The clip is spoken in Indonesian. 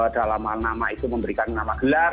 dalam hal nama itu memberikan nama gelar